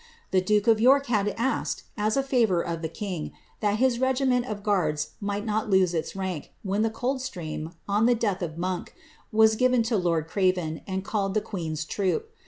The duke of York had asked, as a favour of the king, that liis regiment of guards miglit not lose its rank, when the Colds^tream, on the death of 3Ionk, was given to lord Craven, and calle<l the queen's troop.